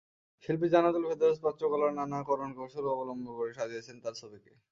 শিল্পী জান্নাতুল ফেরদৌস প্রাচ্যকলার নানা করণ-কৌশল অবলম্বন করে সাজিয়েছেন তাঁর ছবিকে।